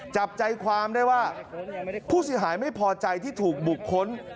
จับใจความได้ว่าผู้เสียหายไม่พอใจที่ถูกบุคคล